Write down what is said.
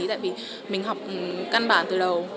tại vì mình học căn bản từ đầu